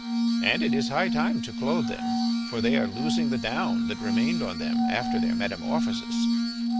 And it is high time to clothe them, for they are losing the down that remained on them after their metamorphosis."